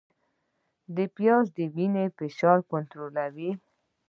پیاز د وینې فشار کنټرولوي